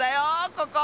ここ！